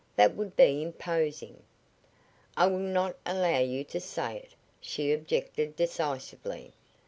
That would be imposing " "I will not allow you to say it!" she objected, decisively.